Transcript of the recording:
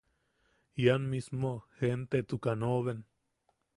Ian mismo gen- tetukan oben.